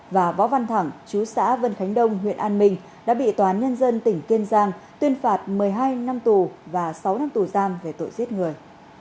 và võ văn thẳng chú xã vân khánh đông huyện an minh đã bị tòa án nhân dân tỉnh kiên giang tuyên phạt một mươi hai năm tù và sáu năm tù giam về tội giết người